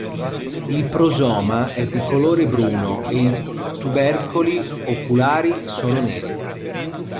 Il prosoma è di colore bruno e i tubercoli oculari sono neri.